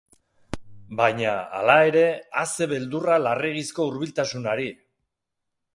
Baina, hala ere, a zer beldurra larregizko hurbiltasunari!